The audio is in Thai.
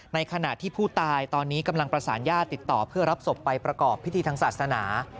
ในขณะที่ผู้ตายตอนนี้กำลังประสานญาติติดต่อเพื่อรับศพไปประกอบพิธีทางศาสนา